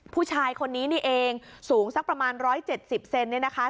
ผู้ชายคนนี้นี่เองสูงสักประมาณ๑๗๐เซนเนี่ยนะคะ